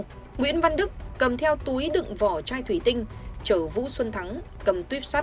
nguyễn văn đức cầm theo túi đựng vỏ chai thủy tinh chở vũ xuân thắng cầm tuyếp sắt